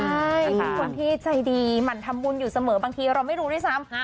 คนที่ใจดีมันทำวุ้นอยู่เสมอบางทีเราไม่รู้ไม่ซ้ำ